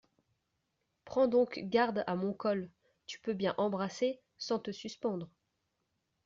Prends donc garde à mon col… tu peux bien embrasser sans te suspendre…